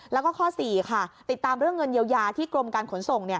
แล้วก็ข้อ๔ค่ะติดตามเรื่องเงินเยียวยาที่กรมการขนส่ง